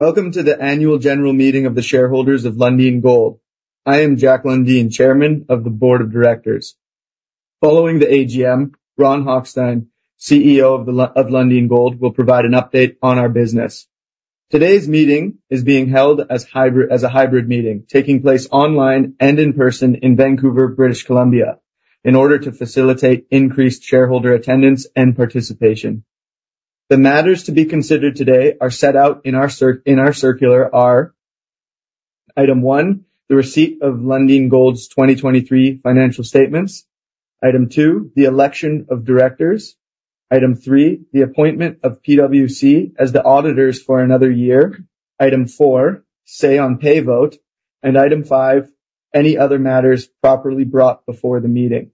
Welcome to the annual general meeting of the shareholders of Lundin Gold. I am Jack Lundin, chairman of the board of directors. Following the AGM, Ron Hochstein, CEO of Lundin Gold, will provide an update on our business. Today's meeting is being held as a hybrid meeting, taking place online and in person in Vancouver, British Columbia, in order to facilitate increased shareholder attendance and participation. The matters to be considered today are set out in our circular: Item 1, the receipt of Lundin Gold's 2023 financial statements; Item 2, the election of directors; Item 3, the appointment of PwC as the auditors for another year; Item 4, say-on-pay vote; and Item 5, any other matters properly brought before the meeting.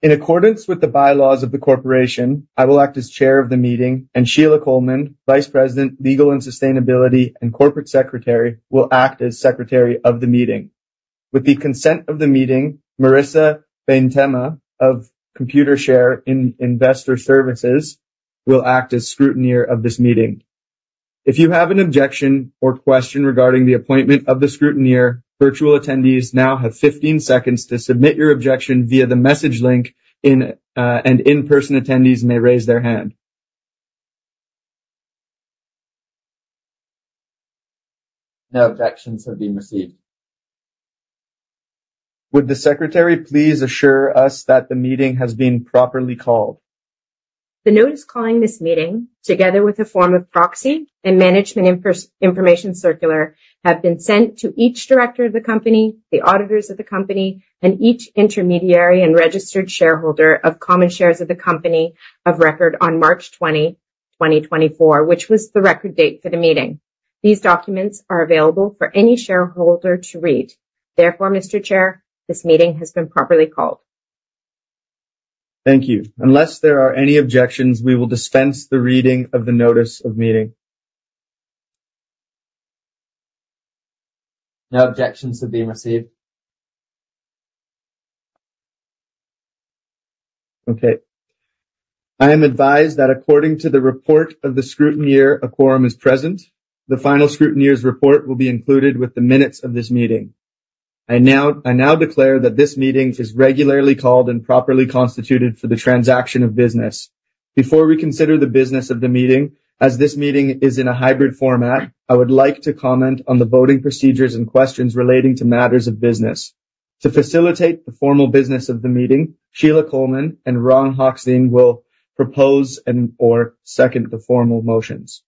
In accordance with the bylaws of the corporation, I will act as chair of the meeting, and Sheila Colman, Vice President, Legal and Sustainability, and Corporate Secretary, will act as secretary of the meeting. With the consent of the meeting, Marisa Bintema of Computershare Investor Services will act as scrutineer of this meeting. If you have an objection or question regarding the appointment of the scrutineer, virtual attendees now have 15 seconds to submit your objection via the message link, and in-person attendees may raise their hand. No objections have been received. Would the secretary please assure us that the meeting has been properly called? The notice calling this meeting, together with a form of proxy and management information circular, have been sent to each director of the company, the auditors of the company, and each intermediary and registered shareholder of common shares of the company of record on March 20, 2024, which was the record date for the meeting. These documents are available for any shareholder to read. Therefore, Mr. Chair, this meeting has been properly called. Thank you. Unless there are any objections, we will dispense the reading of the notice of meeting. No objections have been received. Okay. I am advised that according to the report of the scrutineer, a quorum is present. The final scrutineer's report will be included with the minutes of this meeting. I now declare that this meeting is regularly called and properly constituted for the transaction of business. Before we consider the business of the meeting, as this meeting is in a hybrid format, I would like to comment on the voting procedures and questions relating to matters of business. To facilitate the formal business of the meeting, Sheila Colman and Ron Hochstein will propose and/or second the formal motions.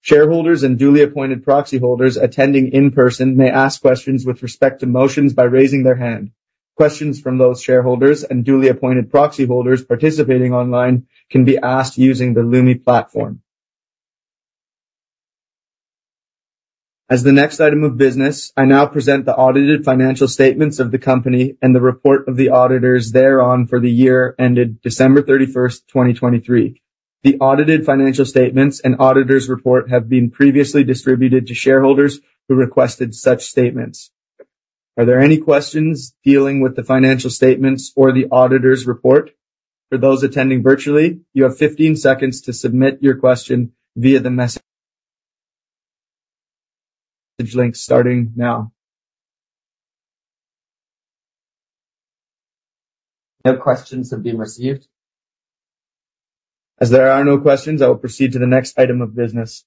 Shareholders and duly appointed proxy holders attending in person may ask questions with respect to motions by raising their hand. Questions from those shareholders and duly appointed proxy holders participating online can be asked using the Lumi platform. As the next item of business, I now present the audited financial statements of the company and the report of the auditors thereon for the year ended December 31, 2023. The audited financial statements and auditor's report have been previously distributed to shareholders who requested such statements. Are there any questions dealing with the financial statements or the auditor's report? For those attending virtually, you have 15 seconds to submit your question via the message link starting now. No questions have been received. As there are no questions, I will proceed to the next item of business.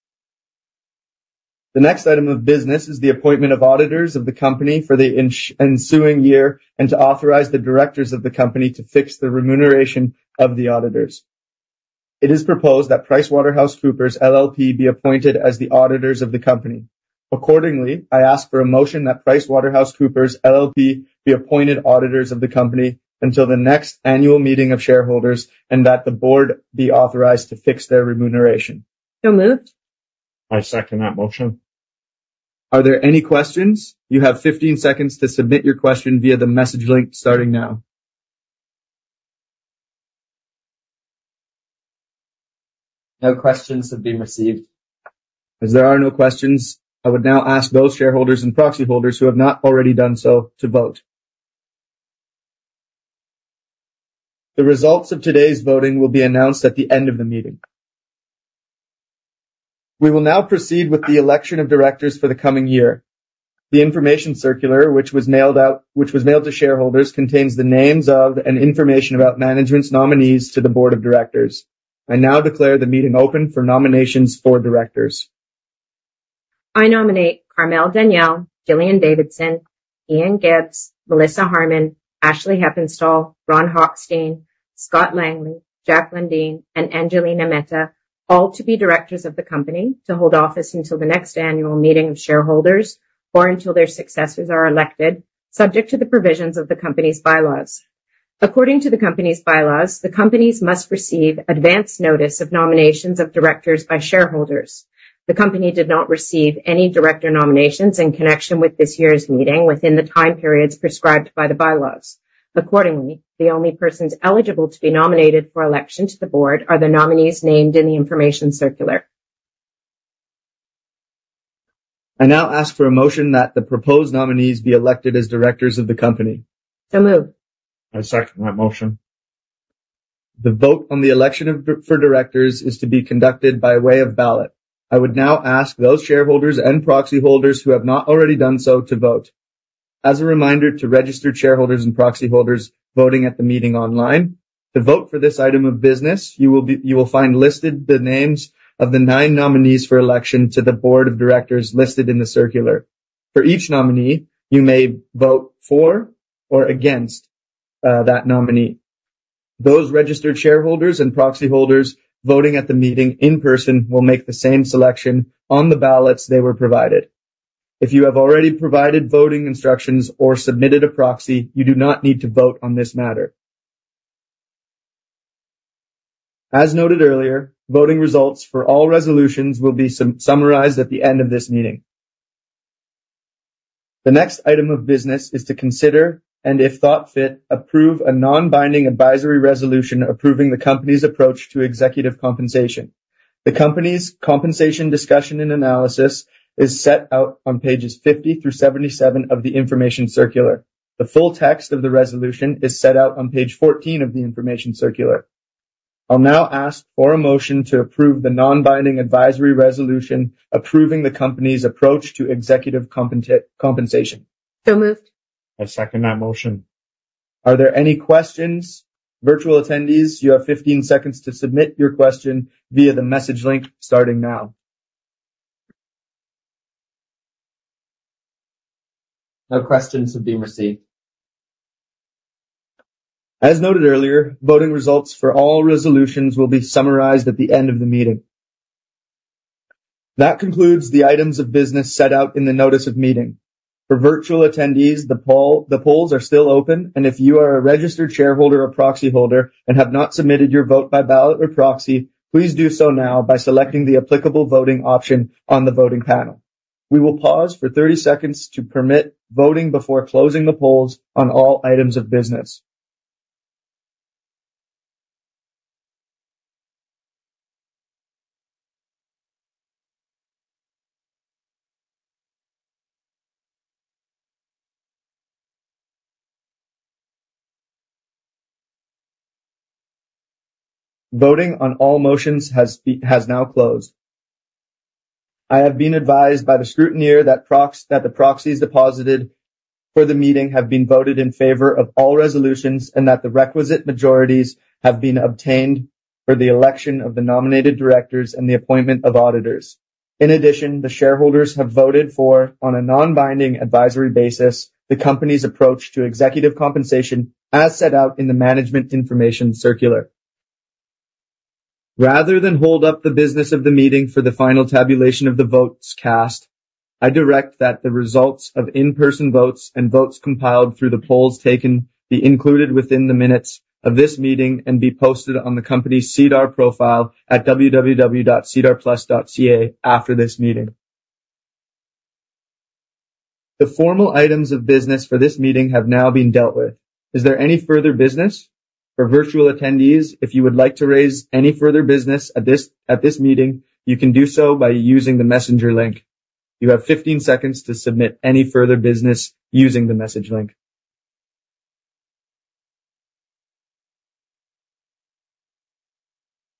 The next item of business is the appointment of auditors of the company for the ensuing year and to authorize the directors of the company to fix the remuneration of the auditors. It is proposed that PricewaterhouseCoopers LLP be appointed as the auditors of the company. Accordingly, I ask for a motion that PricewaterhouseCoopers LLP be appointed auditors of the company until the next annual meeting of shareholders and that the board be authorized to fix their remuneration. Still moved. I second that motion. Are there any questions? You have 15 seconds to submit your question via the message link starting now. No questions have been received. As there are no questions, I would now ask those shareholders and proxy holders who have not already done so to vote. The results of today's voting will be announced at the end of the meeting. We will now proceed with the election of directors for the coming year. The information circular, which was mailed out to shareholders, contains the names of and information about management's nominees to the board of directors. I now declare the meeting open for nominations for directors. I nominate Carmel Daniele, Gillian Davidson, Ian Gibbs, Melissa Harmon, Ashley Heppenstall, Ron Hochstein, Scott Langley, Jack Lundin, and Angelina Mehta, all to be directors of the company to hold office until the next annual meeting of shareholders or until their successors are elected, subject to the provisions of the company's bylaws. According to the company's bylaws, the company must receive advance notice of nominations of directors by shareholders. The company did not receive any director nominations in connection with this year's meeting within the time periods prescribed by the bylaws. Accordingly, the only persons eligible to be nominated for election to the board are the nominees named in the information circular. I now ask for a motion that the proposed nominees be elected as directors of the company. Still moved. I second that motion. The vote on the election for directors is to be conducted by way of ballot. I would now ask those shareholders and proxy holders who have not already done so to vote. As a reminder to registered shareholders and proxy holders voting at the meeting online, to vote for this item of business, you will find listed the names of the nine nominees for election to the board of directors listed in the circular. For each nominee, you may vote for or against that nominee. Those registered shareholders and proxy holders voting at the meeting in person will make the same selection on the ballots they were provided. If you have already provided voting instructions or submitted a proxy, you do not need to vote on this matter. As noted earlier, voting results for all resolutions will be summarized at the end of this meeting. The next item of business is to consider and, if thought fit, approve a non-binding advisory resolution approving the company's approach to executive compensation. The company's compensation discussion and analysis is set out on pages 50 through 77 of the information circular. The full text of the resolution is set out on page 14 of the information circular. I'll now ask for a motion to approve the non-binding advisory resolution approving the company's approach to executive compensation. Still moved. I second that motion. Are there any questions? Virtual attendees, you have 15 seconds to submit your question via the message link starting now. No questions have been received. As noted earlier, voting results for all resolutions will be summarized at the end of the meeting. That concludes the items of business set out in the notice of meeting. For virtual attendees, the polls are still open, and if you are a registered shareholder or proxy holder and have not submitted your vote by ballot or proxy, please do so now by selecting the applicable voting option on the voting panel. We will pause for 30 seconds to permit voting before closing the polls on all items of business. Voting on all motions has now closed. I have been advised by the scrutineer that the proxies deposited for the meeting have been voted in favor of all resolutions and that the requisite majorities have been obtained for the election of the nominated directors and the appointment of auditors. In addition, the shareholders have voted for, on a non-binding advisory basis, the company's approach to executive compensation as set out in the management information circular. Rather than hold up the business of the meeting for the final tabulation of the votes cast, I direct that the results of in-person votes and votes compiled through the polls taken be included within the minutes of this meeting and be posted on the company's SEDAR+ profile at www.sedarplus.ca after this meeting. The formal items of business for this meeting have now been dealt with. Is there any further business? For virtual attendees, if you would like to raise any further business at this meeting, you can do so by using the messenger link. You have 15 seconds to submit any further business using the message link.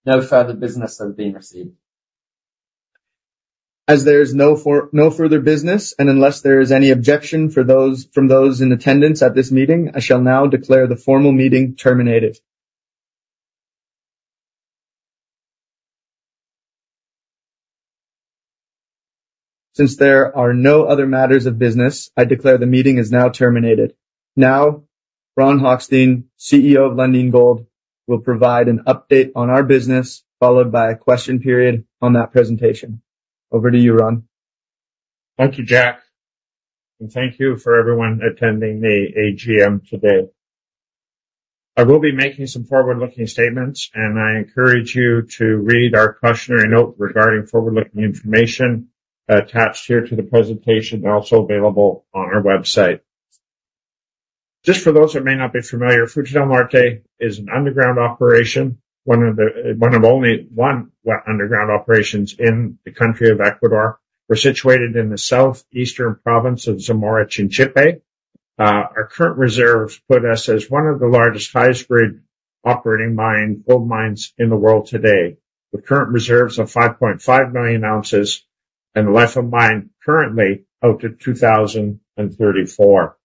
No further business has been received. As there is no further business and unless there is any objection from those in attendance at this meeting, I shall now declare the formal meeting terminated. Since there are no other matters of business, I declare the meeting is now terminated. Now, Ron Hochstein, CEO of Lundin Gold, will provide an update on our business followed by a question period on that presentation. Over to you, Ron. Thank you, Jack. Thank you for everyone attending the AGM today. I will be making some forward-looking statements, and I encourage you to read our cautionary note regarding forward-looking information attached here to the presentation and also available on our website. Just for those who may not be familiar, Fruta del Norte is an underground operation, one of only one underground operations in the country of Ecuador. We're situated in the southeastern province of Zamora Chinchipe. Our current reserves put us as one of the largest high-grade operating mine gold mines in the world today, with current reserves of 5.5 million ounces and a life of mine currently out to 2034.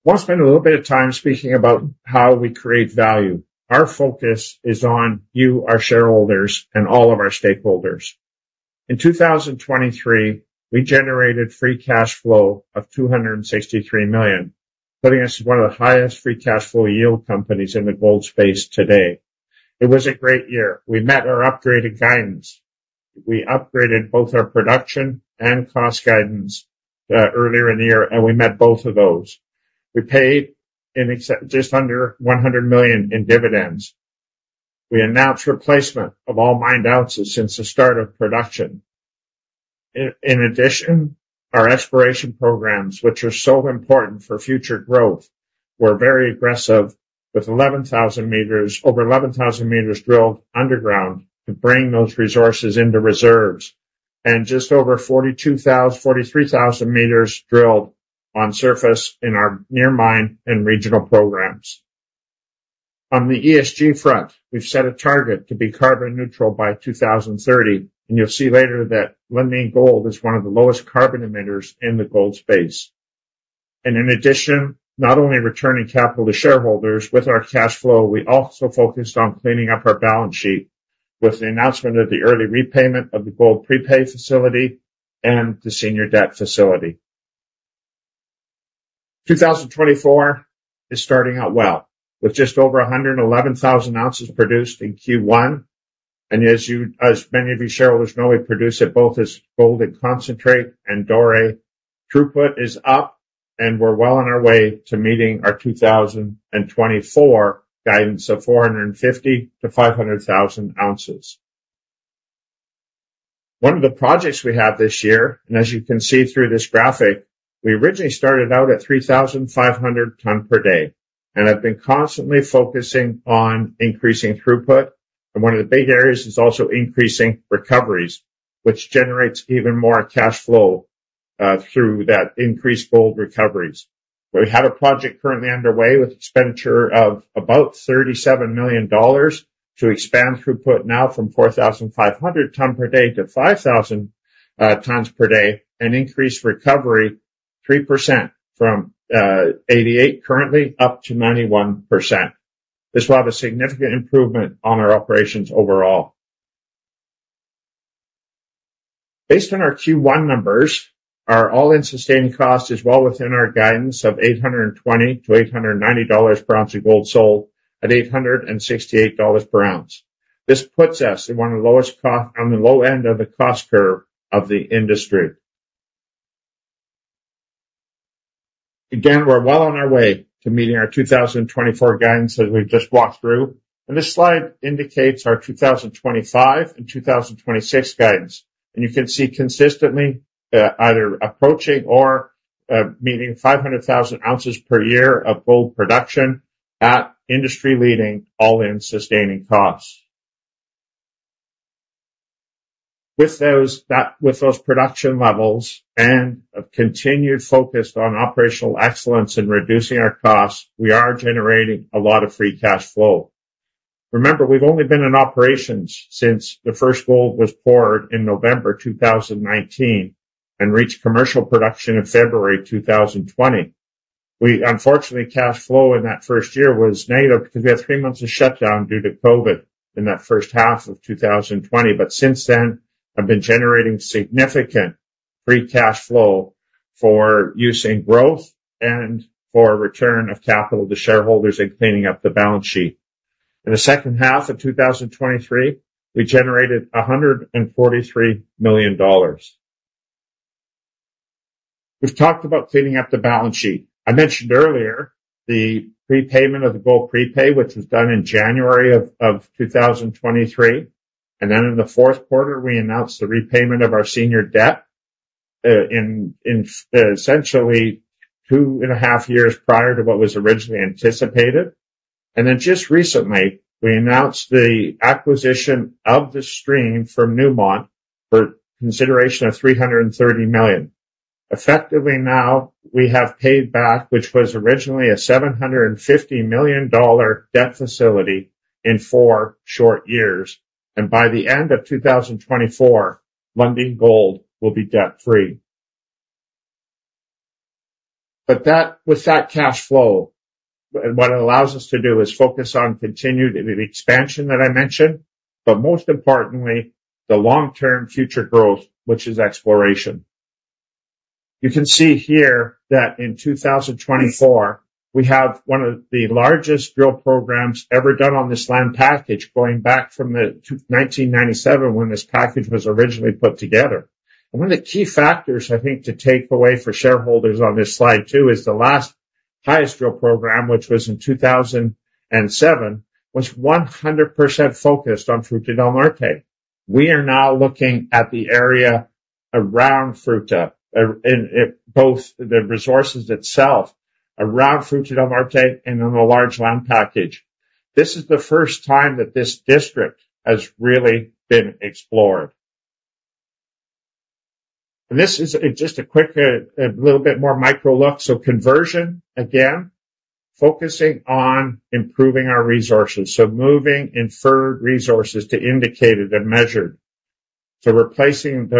I want to spend a little bit of time speaking about how we create value. Our focus is on you, our shareholders, and all of our stakeholders. In 2023, we generated free cash flow of $263 million, putting us as one of the highest free cash flow yield companies in the gold space today. It was a great year. We met our upgraded guidance. We upgraded both our production and cost guidance earlier in the year, and we met both of those. We paid just under $100 million in dividends. We announced replacement of all mined ounces since the start of production. In addition, our exploration programs, which are so important for future growth, were very aggressive, with over 11,000 meters drilled underground to bring those resources into reserves, and just over 43,000 meters drilled on surface in our near-mine and regional programs. On the ESG front, we've set a target to be carbon neutral by 2030, and you'll see later that Lundin Gold is one of the lowest carbon emitters in the gold space. In addition, not only returning capital to shareholders with our cash flow, we also focused on cleaning up our balance sheet with the announcement of the early repayment of the gold prepay facility and the senior debt facility. 2024 is starting out well, with just over 111,000 ounces produced in Q1. As many of you shareholders know, we produce it both as gold concentrate and Doré. Throughput is up, and we're well on our way to meeting our 2024 guidance of 450,000-500,000 ounces. One of the projects we have this year, and as you can see through this graphic, we originally started out at 3,500 tons per day and have been constantly focusing on increasing throughput. One of the big areas is also increasing recoveries, which generates even more cash flow through that increased gold recoveries. We have a project currently underway with expenditure of about $37 million to expand throughput now from 4,500 ton per day to 5,000 tons per day, an increased recovery 3% from 88 currently up to 91%. This will have a significant improvement on our operations overall. Based on our Q1 numbers, our all-in sustaining cost is well within our guidance of $820-$890 per ounce of gold sold at $868 per ounce. This puts us at one of the lowest costs on the low end of the cost curve of the industry. Again, we're well on our way to meeting our 2024 guidance as we've just walked through. This slide indicates our 2025 and 2026 guidance. You can see consistently either approaching or meeting 500,000 ounces per year of gold production at industry-leading all-in sustaining costs. With those production levels and continued focus on operational excellence in reducing our costs, we are generating a lot of free cash flow. Remember, we've only been in operations since the first gold was poured in November 2019 and reached commercial production in February 2020. Unfortunately, cash flow in that first year was negative because we had three months of shutdown due to COVID in that first half of 2020. But since then, I've been generating significant free cash flow for use in growth and for return of capital to shareholders and cleaning up the balance sheet. In the second half of 2023, we generated $143 million. We've talked about cleaning up the balance sheet. I mentioned earlier the prepayment of the gold prepay, which was done in January of 2023. And then in the fourth quarter, we announced the repayment of our senior debt in essentially two and a half years prior to what was originally anticipated. And then just recently, we announced the acquisition of the stream from Newmont for consideration of $330 million. Effectively now, we have paid back what was originally a $750 million debt facility in four short years. And by the end of 2024, Lundin Gold will be debt-free. But with that cash flow, what it allows us to do is focus on continued expansion that I mentioned, but most importantly, the long-term future growth, which is exploration. You can see here that in 2024, we have one of the largest drill programs ever done on this land package going back from 1997 when this package was originally put together. One of the key factors, I think, to take away for shareholders on this slide too is the last highest drill program, which was in 2007, was 100% focused on Fruta del Norte. We are now looking at the area around Fruta del Norte, both the resources itself around Fruta del Norte and on the large land package. This is the first time that this district has really been explored. And this is just a quick, a little bit more micro look. So conversion, again, focusing on improving our resources, so moving inferred resources to indicated and measured, so increasing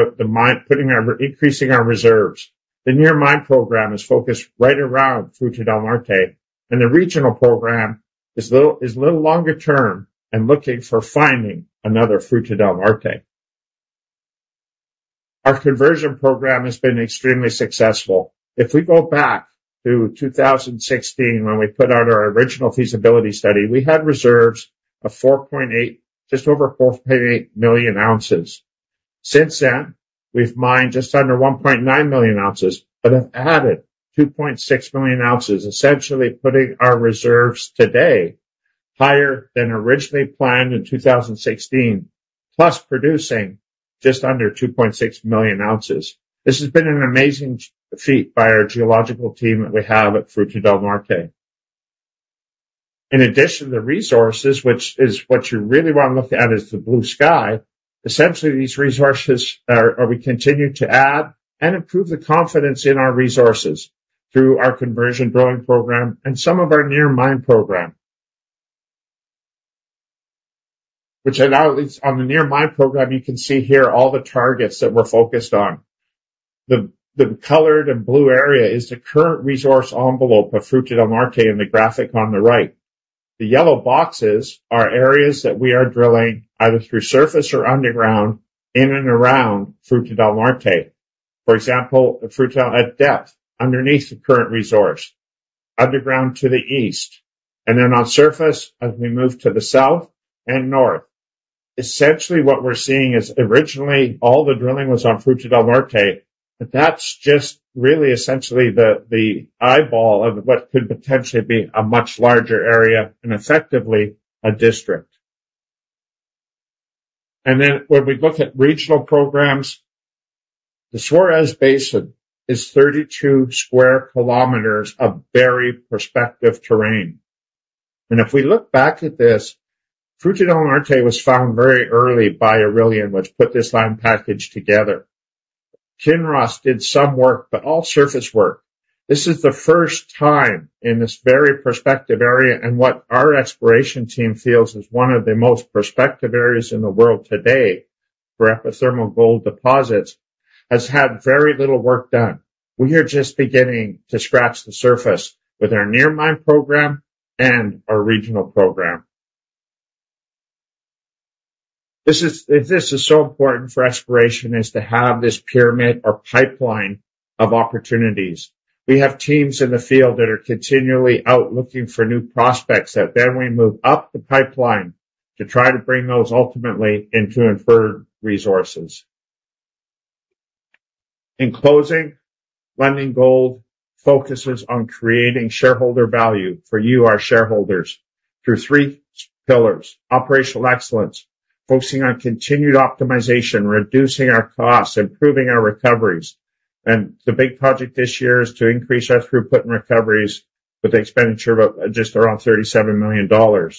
our reserves. The near-mine program is focused right around Fruta del Norte, and the regional program is a little longer term and looking for finding another Fruta del Norte. Our conversion program has been extremely successful. If we go back to 2016 when we put out our original feasibility study, we had reserves of just over 4.8 million ounces. Since then, we've mined just under 1.9 million ounces, but have added 2.6 million ounces, essentially putting our reserves today higher than originally planned in 2016, plus producing just under 2.6 million ounces. This has been an amazing feat by our geological team that we have at Fruta del Norte. In addition, the resources, which is what you really want to look at, is the blue sky. Essentially, these resources are we continue to add and improve the confidence in our resources through our conversion drilling program and some of our near-mine program. On the near-mine program, you can see here all the targets that we're focused on. The colored and blue area is the current resource envelope of Fruta del Norte in the graphic on the right. The yellow boxes are areas that we are drilling either through surface or underground in and around Fruta del Norte. For example, at depth, underneath the current resource, underground to the east, and then on surface as we move to the south and north. Essentially, what we're seeing is originally all the drilling was on Fruta del Norte, but that's just really essentially the eyeball of what could potentially be a much larger area and effectively a district. And then when we look at regional programs, the Suarez Basin is 32 square km of very prospective terrain. And if we look back at this, Fruta del Norte was found very early by Aurelian, which put this land package together. Kinross did some work, but all surface work. This is the first time in this very prospective area, and what our exploration team feels is one of the most prospective areas in the world today for epithermal gold deposits, has had very little work done. We are just beginning to scratch the surface with our near-mine program and our regional program. This is so important for exploration is to have this pyramid or pipeline of opportunities. We have teams in the field that are continually out looking for new prospects that then we move up the pipeline to try to bring those ultimately into inferred resources. In closing, Lundin Gold focuses on creating shareholder value for you, our shareholders, through three pillars: operational excellence, focusing on continued optimization, reducing our costs, improving our recoveries. And the big project this year is to increase our throughput and recoveries with an expenditure of just around $37 million.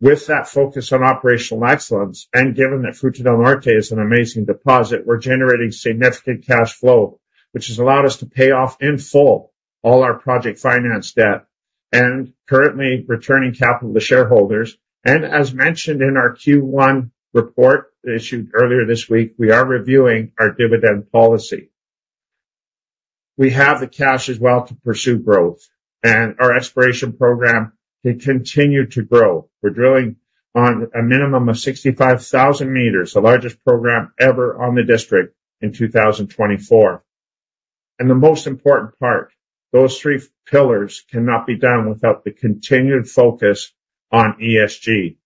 With that focus on operational excellence, and given that Fruta del Norte is an amazing deposit, we're generating significant cash flow, which has allowed us to pay off in full all our project finance debt and currently returning capital to shareholders. As mentioned in our Q1 report issued earlier this week, we are reviewing our dividend policy. We have the cash as well to pursue growth, and our exploration program can continue to grow. We're drilling on a minimum of 65,000 meters, the largest program ever on the district in 2024. And the most important part, those three pillars cannot be done without the continued focus on ESG.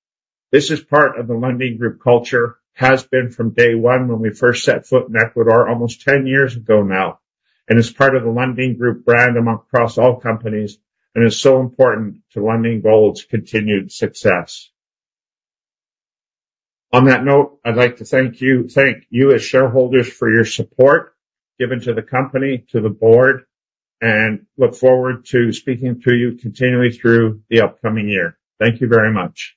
This is part of the Lundin Group culture, has been from day one when we first set foot in Ecuador, almost 10 years ago now. And it's part of the Lundin Group brand amongst all companies and is so important to Lundin Gold's continued success. On that note, I'd like to thank you as shareholders for your support given to the company, to the board, and look forward to speaking to you continually through the upcoming year. Thank you very much.